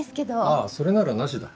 あそれならなしだ。